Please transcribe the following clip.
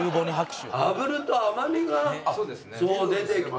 あぶると甘みが出てきて。